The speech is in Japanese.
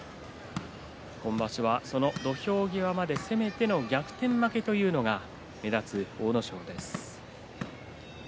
今場所は土俵際まで攻めて逆転負けというのが目立つ阿武咲です。